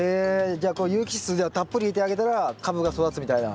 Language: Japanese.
じゃあこう有機質じゃあたっぷり入れてあげたら株が育つみたいな。